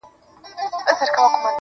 قربان د ډار له کيفيته چي رسوا يې کړم.